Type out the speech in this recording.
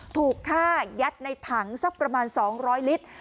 ถูกฆ่ายัดในถังสักประมาณ๒๐๐ลิตร